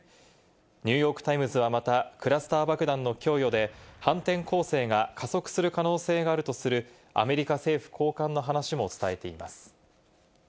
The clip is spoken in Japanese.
ニューヨーク・タイムズはまた、クラスター爆弾の供与で反転攻勢が加速する可能性があるとするアメリカ政府高官の話も伝えています。